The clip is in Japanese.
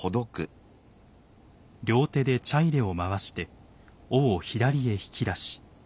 両手で茶入を回して緒を左へ引き出し